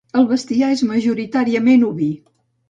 El bestiar és majoritàriament oví.